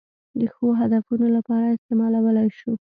د ښو هدفونو لپاره استعمالولای شو.